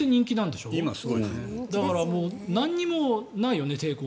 だから何もないよね、抵抗。